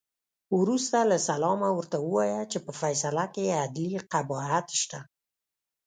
وروسته له سلامه ورته ووایه چې په فیصله کې عدلي قباحت شته.